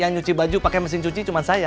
yang nyuci baju pakai mesin cuci cuma saya